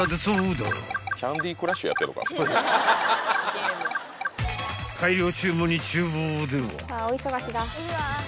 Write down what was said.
［大量注文に厨房では］